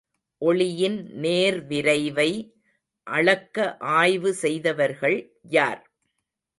ஒளியின் நேர்விரைவை அளக்க ஆய்வு செய்தவர்கள் யார்?